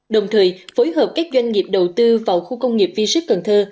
đồng thời phối hợp các doanh nghiệp đầu tư vào khu công nghiệp v ship cần thơ